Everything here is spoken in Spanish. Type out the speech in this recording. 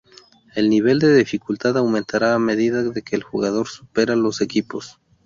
El nivel de dificultad aumentará a medida de que el jugador supera los equipos.